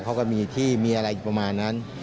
เขาก็มีที่มีอะไรอยู่ประมาณนั้น